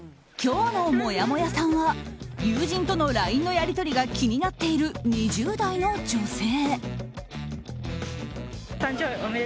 今日のもやもやさんは友人とのＬＩＮＥのやり取りが気になっている２０代の女性。